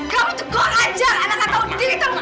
kamu itu goreng ajar anak anak tahu diri kamu